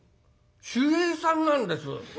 守衛さんなんです。